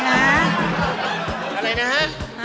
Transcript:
อะไรนะฮะ